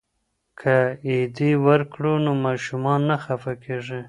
که عیدي ورکړو نو ماشومان نه خفه کیږي.